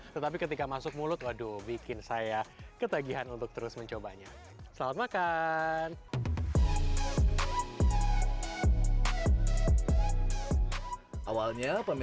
tetapi ketika masuk mulut waduh bikin saya ketagihan untuk terus mencobanya selamat